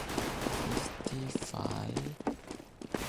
Some cause economic damage to crops and trees.